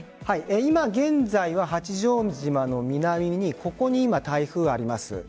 今、現在は八丈島の南にここに今、台風があります。